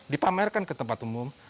dipamerkan ke tempat umum